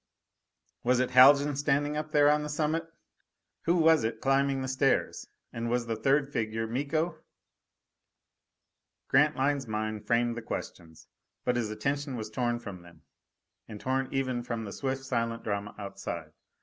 Was it Haljan standing up there on the summit? Who was it climbing the stairs? And was the third figure Miko? Grantline's mind framed the questions. But his attention was torn from them, and torn even from the swift silent drama outside.